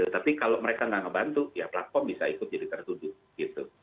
tapi kalau mereka nggak ngebantu ya platform bisa ikut jadi tertutup gitu